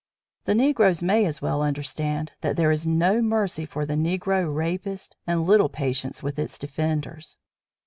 The negroes may as well understand that there is no mercy for the negro rapist and little patience with his defenders.